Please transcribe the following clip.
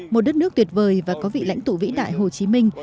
một đất nước tuyệt vời và có vị lãnh tụ vĩ đại hồ chí minh